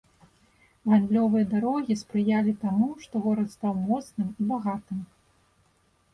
Гандлёвыя дарогі спрыялі таму, што горад стаў моцны і багаты.